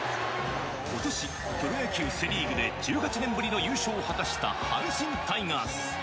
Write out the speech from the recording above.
ことし、プロ野球セ・リーグで１８年ぶりの優勝を果たした阪神タイガース。